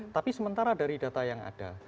tapi sementara dari data yang ada